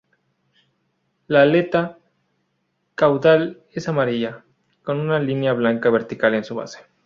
La aleta caudal es amarilla, con una línea blanca vertical en su base.